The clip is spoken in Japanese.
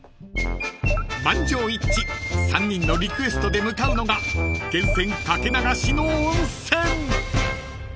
［満場一致３人のリクエストで向かうのが源泉掛け流しの温泉］